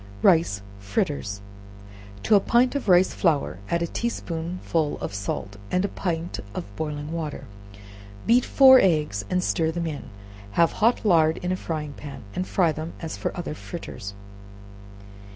Rice Fritters. To a pint of rice flour add a tea spoonful of salt and a pint of boiling water; beat four eggs and stir them in, have hot lard in a frying pan, and fry them as other fritters.